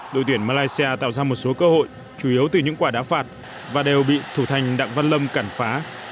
đội tuyển malaysia tạo ra một số cơ hội chủ yếu từ những quả đá phạt và đều bị thủ thành đặng văn lâm cản phá